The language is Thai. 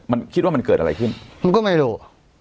มันคิดว่ามันเกิดอะไรขึ้นผมก็ไม่รู้